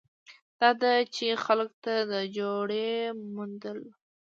دا ده چې خلکو ته د جوړې موندلو